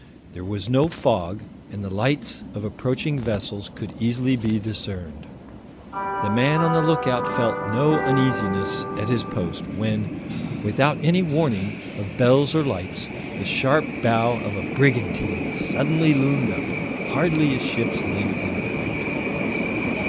There was no fog, and the lights of approaching vessels could easily be discerned. The man on the lookout felt no uneasiness at his post, when, without any warning of bells or lights, the sharp bow of a brigantine suddenly loomed up, hardly a ship's length in front.